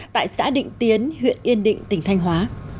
tại xã định tiến huyện yên định tỉnh thanh hóa